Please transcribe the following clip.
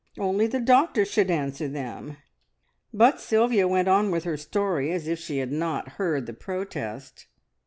Only the doctor should answer them." But Sylvia went on with her story as if she had not heard the protest.